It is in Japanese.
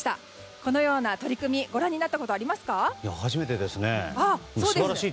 このような取り組みご覧になったことありますか？